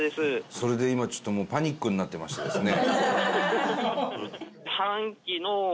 それで今ちょっともうパニックになってましてですね。